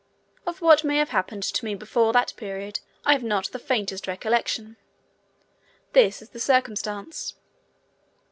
Of what may have happened to me before that period I have not the faintest recollection. This is the circumstance.